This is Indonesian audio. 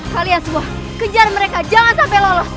kalian semua kejar mereka jangan sampai lolos